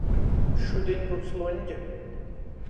Šudiņ byus luņgi.